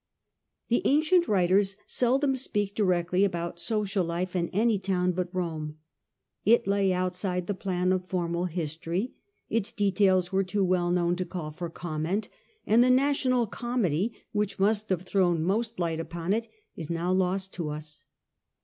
The ancient writers seldom speak directly about social life in any town but Rome. It lay outside the plan of formal history; its details were too well known ^^^ to call for comment, and the national comedy, rerKeU^ which must have thrown most light upon it, is [he'^Hfe oV° now quite lost to us.